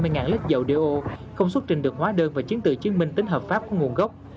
tàu chở ba mươi lít dầu do không xuất trình được hóa đơn và chiến tự chứng minh tính hợp pháp của nguồn gốc